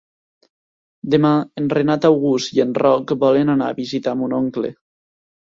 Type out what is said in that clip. Demà en Renat August i en Roc volen anar a visitar mon oncle.